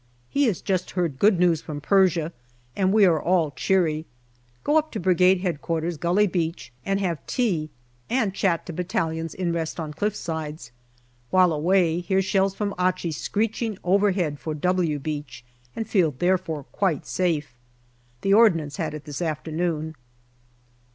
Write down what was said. He has just heard good news from Persia, and we are all cheery. Go up to Brigade H.Q., Gully Beach, and have tea, and chat to battalions in rest on cliff sides. While away, hear shells from Achi screeching overhead for " W" Beach, and feel therefore quite safe. The Ordnance had it this afternoon.